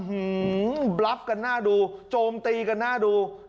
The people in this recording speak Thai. หือบรับกันหน้าดูโจมตีกันหน้าดู